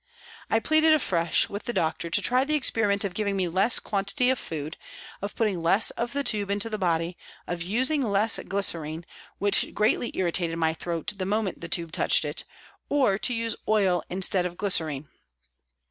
I pleaded afresh with the doctor to try the experiment of giving me less quantity of food, of putting less of the tube into the body, of using less glycerine, which greatly irritated my throat the moment the tube touched it, or to use oil instead of glycerine.